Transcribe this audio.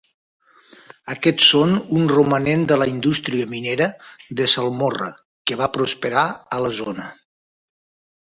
Aquests són un romanent de la indústria minera de salmorra que va prosperar a la zona.